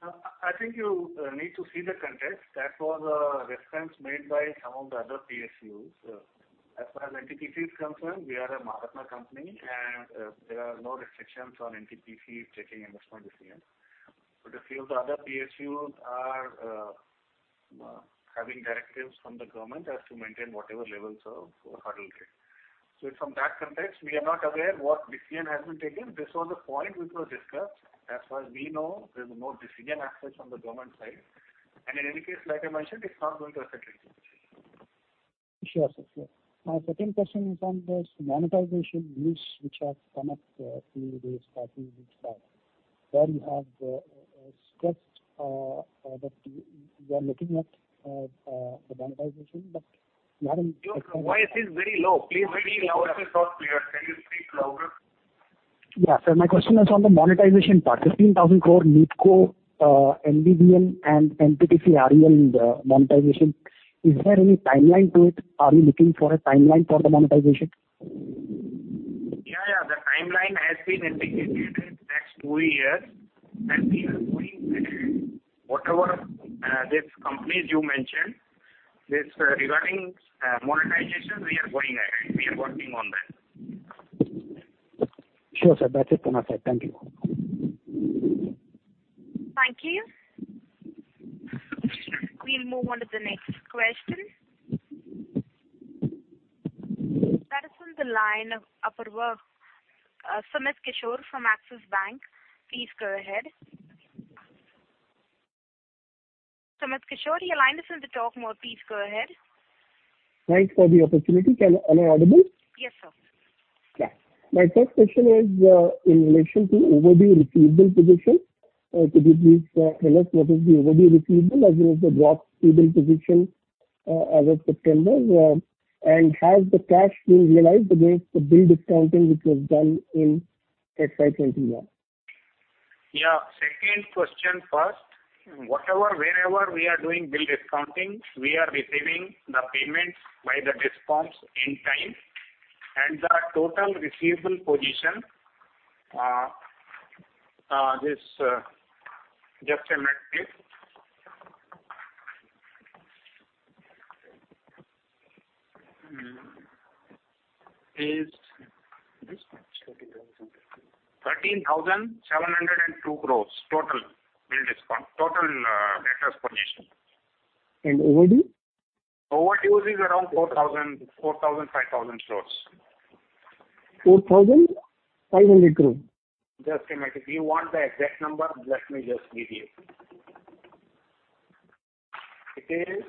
I think you need to see the context. That was a reference made by some of the other PSUs. As far as NTPC is concerned, we are a Maharatna company, and there are no restrictions on NTPC taking investment decisions. A few of the other PSUs are having directives from the government as to maintain whatever levels of hurdle rate. From that context, we are not aware what decision has been taken. This was a point which was discussed. As far as we know, there is no decision aspect on the government side. In any case, like I mentioned, it's not going to affect us. Sure, sir. Sure. My second question is on those monetization news which have come up, few days back where you have stressed that you are looking at the monetization, but you haven't- Your voice is very low. Please speak louder. Voice is not clear. Can you speak louder? My question was on the monetization part. 15,000 crore NTPC, NVVN and NTPC REL monetization. Is there any timeline to it? Are you looking for a timeline for the monetization? Yeah. The timeline has been indicated in next two years, and we are going ahead. Whatever, these companies you mentioned, this is regarding monetization, we are going ahead. We are working on that. Sure, sir. That's it from my side. Thank you. Thank you. We'll move on to the next question. That is on the line of Apoorva. Sumit Kishore from Axis Capital, please go ahead. Sumit Kishore, your line is on the talk mode. Please go ahead. Thanks for the opportunity. Am I audible? Yes, sir. My first question is in relation to overdue receivable position. Could you please tell us what is the overdue receivable as well as the gross payable position as of September? Has the cash been realized against the bill discounting which was done in FY 2021? Yeah. Second question first. Whatever, wherever we are doing bill discounting, we are receiving the payments by the discounts in time. The total receivable position is this much. 13,702 crores total bill discount. Total debtors position. Overdue? Overdue is around 4,000-5,000 crores. 4,500 crore. Just a minute. If you want the exact number, let me just give you. It is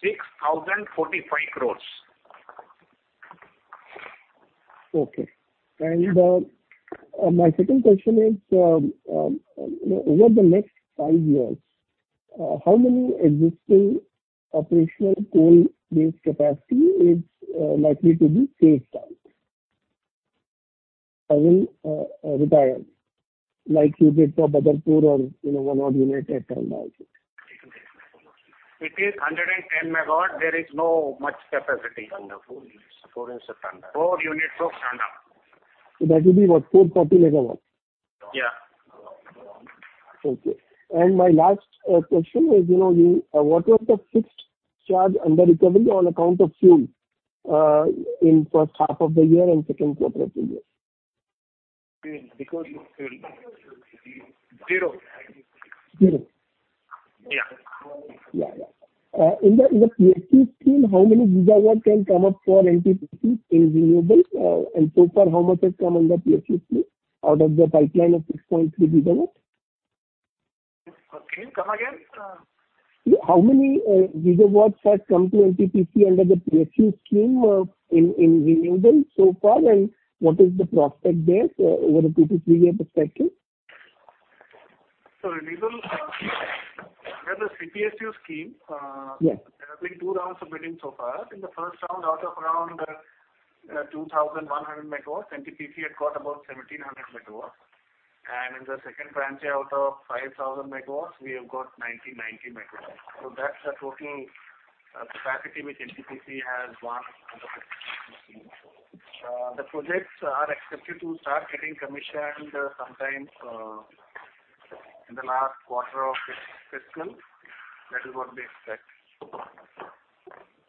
6,045 crore. Okay. My second question is, over the next five years, how many existing operational coal-based capacity is likely to be phased out? I mean, retired, like you did for Badarpur or, you know, one odd unit at Ramagundam. It is 110 MW. There is not much capacity. four units of Ramagundam. four units of Ramagundam. That will be, what, 440 MW? Yeah. Okay. My last question is, you know, what was the fixed charge under recovery on account of fuel in first half of the year and second quarter of the year? Because zero. Zero. Yeah. In the PSU scheme, how many gigawatt can come up for NTPC in renewables? So far, how much has come under PSU scheme out of the pipeline of 6.3 gigawatts? Okay. Come again? How many gigawatts has come to NTPC under the PSU scheme in renewables so far, and what is the prospect there over a two to three year perspective? Renewables, under CPSU scheme Yes. There have been two rounds of bidding so far. In the first round, out of around 2,100 MW, NTPC had got about 1,700 MW. In the second tranche, out of 5,000 MW, we have got 990 MW. That's the total capacity which NTPC has won under the CPSU scheme. The projects are expected to start getting commissioned sometime in the last quarter of this fiscal. That is what we expect.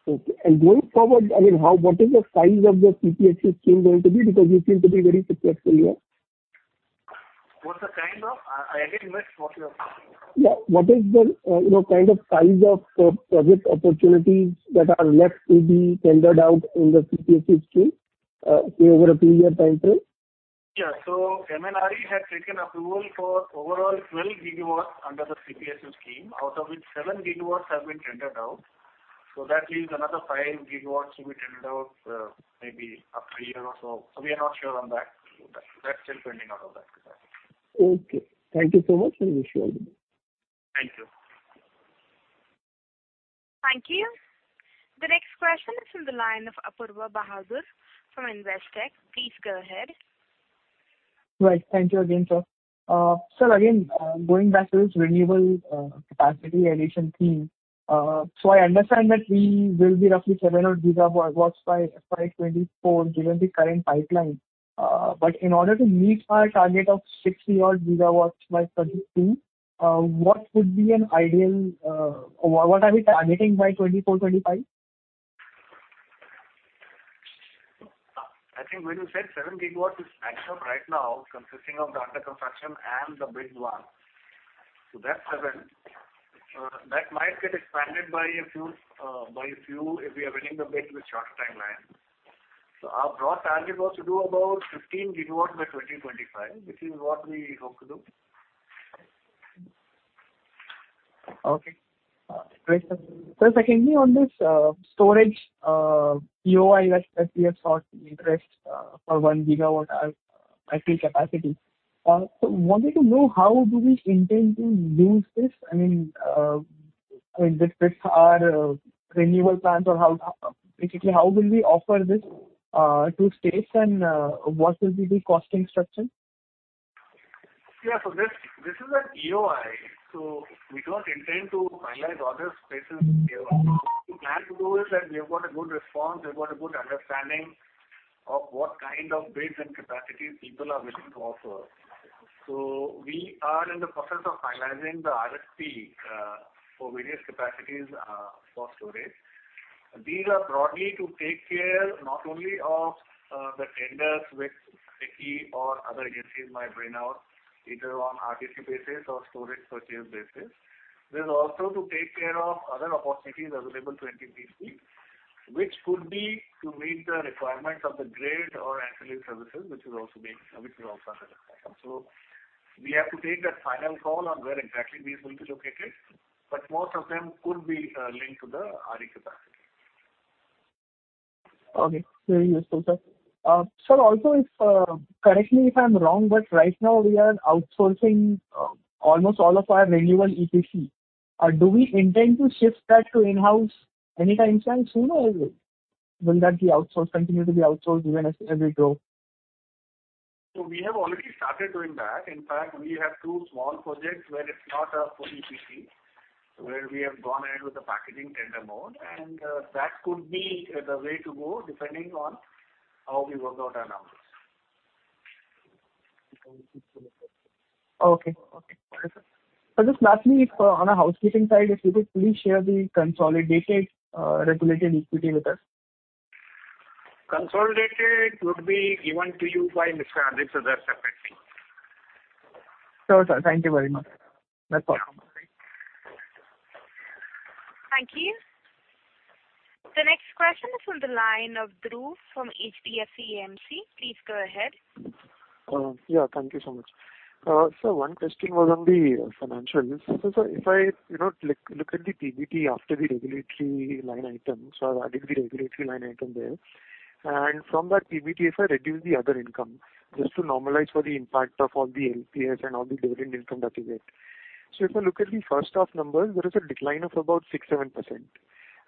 Okay. Going forward, I mean, what is the size of the CPSU scheme going to be? Because you seem to be very successful here. Again, what's your question? Yeah. What is the, you know, kind of size of project opportunities that are left to be tendered out in the CPSU scheme, say, over a three-year time frame? Yeah. MNRE had taken approval for overall 12 gigawatts under the CPSU scheme, out of which 7 gigawatts have been tendered out. That leaves another 5 gigawatts to be tendered out, maybe after a year or so. We are not sure on that. That's still pending out of that. Okay. Thank you so much, I wish you all the best. Thank you. Thank you. The next question is from the line of Apoorva Bahadur from Investec. Please go ahead. Right. Thank you again, sir. Sir, again, going back to this renewable capacity addition theme. I understand that we will be roughly 7 GW by FY 2024, given the current pipeline. In order to meet our target of 60 GW by 2032, what would be an ideal. What are we targeting by 2024, 2025? I think when you said 7 GW is actual right now consisting of the under construction and the bid one. That's 7. That might get expanded by a few if we are winning the bid with short timeline. Our broad target was to do about 15 gigawatts by 2025, which is what we hope to do. Okay. Great, sir. Secondly, on this storage EOI that we have sought interest for 1 GWh battery capacity. Wanted to know how do we intend to use this? I mean, does this add renewable plants or basically, how will we offer this to states and what will be the costing structure? This is an EOI. We don't intend to finalize orders based on EOI. What we plan to do is that we have got a good response, we've got a good understanding of what kind of bids and capacities people are willing to offer. We are in the process of finalizing the RFP for various capacities for storage. These are broadly to take care not only of the tenders which SECI or other agencies might bring out either on RTC basis or storage purchase basis. This is also to take care of other opportunities available to NTPC, which could be to meet the requirements of the grid or ancillary services, which is also under discussion. We have to take that final call on where exactly these will be located, but most of them could be linked to the RE capacity. Okay. Very useful, sir. Sir, also correct me if I'm wrong, but right now we are outsourcing almost all of our renewable EPC. Do we intend to shift that to in-house any time soon or will that continue to be outsourced even as we grow? We have already started doing that. In fact, we have two small projects where it's not a full EPC, where we have gone ahead with the packaging tender mode, and that could be the way to go depending on how we work out our numbers. Okay. All right, sir. Just lastly, if on a housekeeping side, if you could please share the consolidated regulated equity with us. Consolidated would be given to you by Mr. Aditya Dar separately. Sure, sir. Thank you very much. That's all. Thank you. The next question is on the line of Dhruv from HDFC AMC. Please go ahead. Yeah, thank you so much. One question was on the financials. Sir, if I, you know, look at the PBT after the regulatory line item, so adding the regulatory line item there. From that PBT, if I reduce the other income just to normalize for the impact of all the LPS and all the dividend income that we get. If I look at the first half numbers, there is a decline of about 6%-7%.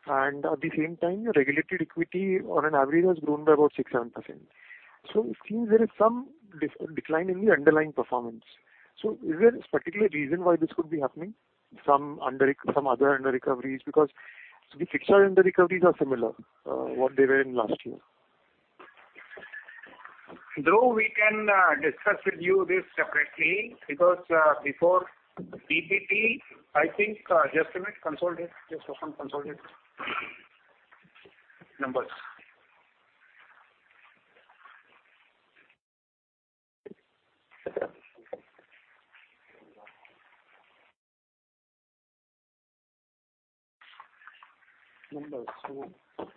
At the same time, regulated equity on an average has grown by about 6%-7%. It seems there is some decline in the underlying performance. Is there a particular reason why this could be happening? Some other underrecoveries? Because the fixed underrecoveries are similar, what they were in last year. Dhruv, we can discuss with you this separately because before PBT, I think, just a minute. Consolidate. Just open consolidate. Numbers.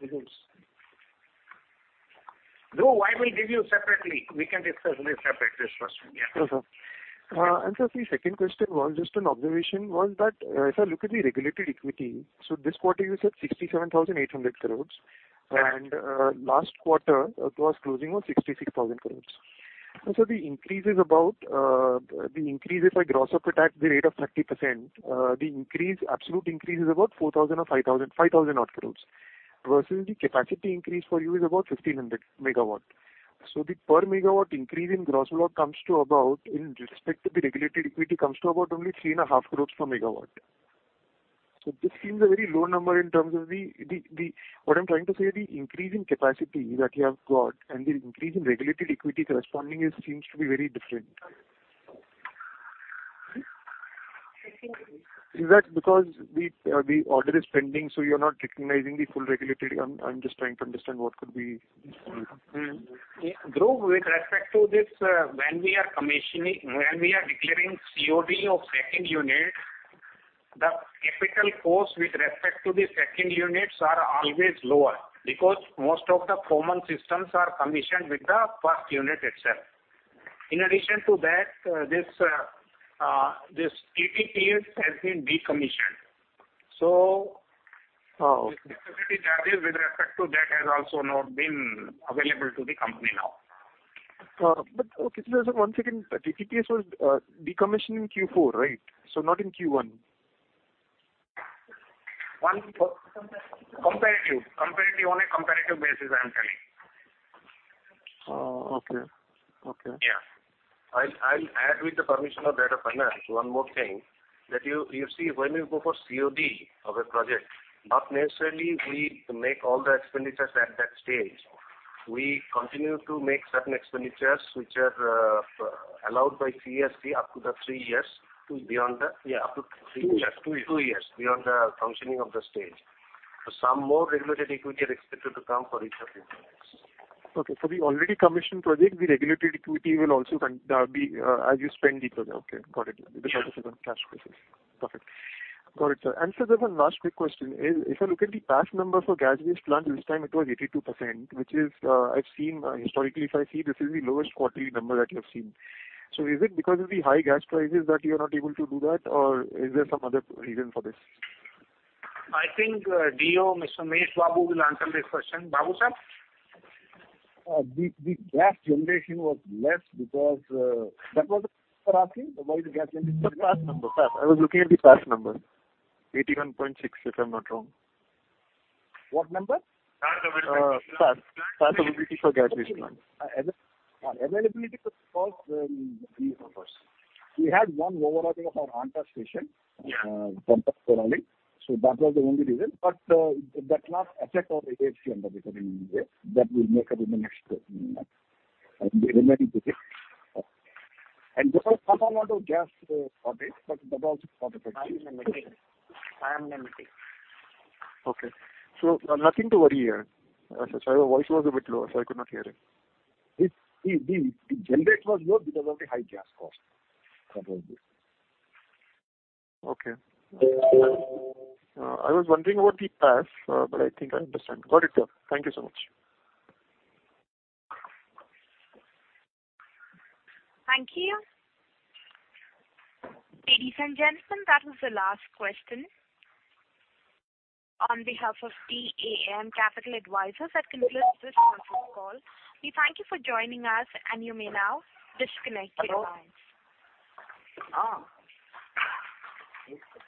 Results. Dhruv, I will give you separately. We can discuss this separate, this question. Yeah. Sure, sir. The second question was just an observation, was that if I look at the regulated equity, this quarter you said 67,800 crore. Last quarter it was closing on 66,000 crore. The increase is about the increase if I gross up at the rate of 30%, the absolute increase is about 4,000 or 5,000 odd crore versus the capacity increase for you is about 1,500 MW. The per megawatt increase in gross block comes to about, in respect to the regulated equity, comes to about only 3.5 crore per MW. This seems a very low number in terms of the. What I'm trying to say, the increase in capacity that you have got and the increase in regulated equity corresponding seems to be very different. Hmm? Is that because the order is pending, so you're not recognizing the full regulatory? I'm just trying to understand what could be. Dhruv, with respect to this, when we are declaring COD of second unit, the capital cost with respect to the second units are always lower because most of the common systems are commissioned with the first unit itself. In addition to that, this TTPS has been decommissioned. So Oh, okay. The regulatory tariff with respect to that has also not been available to the company now. Okay. Just one second. TTPS was decommissioned in Q4, right? Not in Q1. On a comparative basis, I am telling. Oh, okay. Okay. Yeah. I'll add with the permission of the Head of Finance one more thing, that you see when you go for COD of a project, not necessarily we make all the expenditures at that stage. We continue to make certain expenditures which are allowed by CERC up to the three years to beyond the- Yeah. Up to three years. Two years. Two years beyond the commissioning of the stage. Some more regulated equity are expected to come for each of these projects. Okay. The already commissioned project, the regulatory equity will also, that'll be as you spend it. Okay, got it. Yes. The process of cash basis. Perfect. Got it, sir. Sir, there's one last quick question. If I look at the past numbers for gas-based plant, this time it was 82%, which is, I've seen historically, if I see, this is the lowest quarterly number that you have seen. Is it because of the high gas prices that you are not able to do that or is there some other reason for this? I think, DO Mr. Ramesh Babu will answer this question. Babu sir? The gas generation was less because. That was what you were asking why the gas generation was less? The past number. I was looking at the past number. 81.6 if I'm not wrong. What number? PAF availability for gas-based plant. Availability was because we had one overhauling of our Anta station temporarily. That was the only reason. That does not affect our availability in any way. That will make it up in the next month, in the remaining days. Okay. This was from our gas update, but that also got affected. Okay. Nothing to worry here. Sir, your voice was a bit low, so I could not hear it. The generation was low because of the high gas cost. That was it. Okay. I was wondering about the past, I think I understand. Got it, sir. Thank you so much. Thank you. Ladies and gentlemen, that was the last question. On behalf of DAM Capital Advisors, that concludes this conference call. We thank you for joining us and you may now disconnect your lines. Hello?